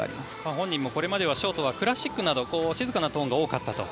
本人もこれまではショートはクラシックなど静かなトーンが多かったと。